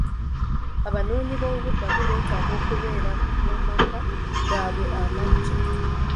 Abanoonyi b'obubuddamu beetaaga okubeera mu maka gaabwe amagya.